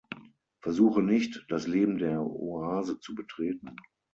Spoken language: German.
Versuche nicht, das Leben der Oase zu betreten.